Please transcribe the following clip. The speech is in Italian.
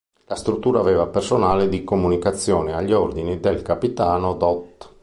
La struttura aveva un personale di comunicazione agli ordini del capitano dott.